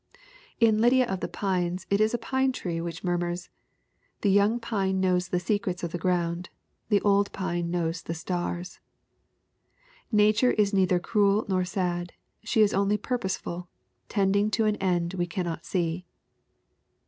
In Lydia of the Pines it is a pine tree which mur murs : "The young pine knows the secrets of the ground. The old pine knows the stars." "Nature is neither cruel nor sad. She is only pur poseful, tending to an end we cannot see."